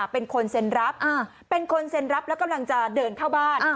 เป็นคนเซ็นรับเป็นคนเซ็นรับแล้วกำลังจะเดินเข้าบ้าน